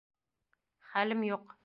Хәлем юҡ...